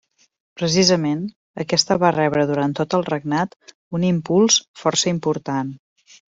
Precisament, aquesta va rebre durant tot el regnat un impuls força important.